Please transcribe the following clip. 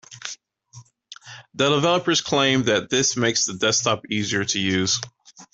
The developers claim that this makes the desktop easier to use.